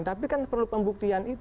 tapi kan perlu pembuktian itu